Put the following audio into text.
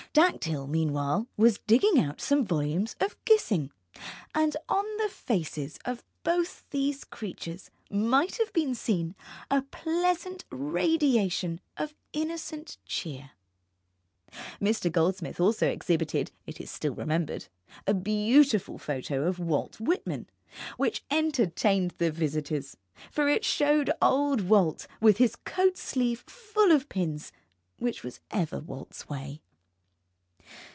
Dactyl, meanwhile, was digging out some volumes of Gissing, and on the faces of both these creatures might have been seen a pleasant radiation of innocent cheer. Mr. Goldsmith also exhibited (it is still remembered) a beautiful photo of Walt Whitman, which entertained the visitors, for it showed old Walt with his coat sleeve full of pins, which was ever Walt's way.